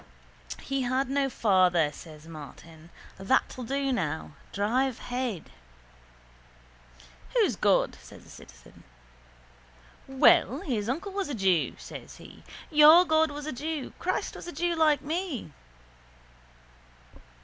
—He had no father, says Martin. That'll do now. Drive ahead. —Whose God? says the citizen. —Well, his uncle was a jew, says he. Your God was a jew. Christ was a jew like me.